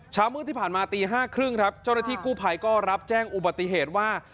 เช้ามืดที่ผ่านมาตี๕๓๐ครับเจ้าหน้าที่กู้ภัยก็รับแจ้งอุบัติเหตุว่า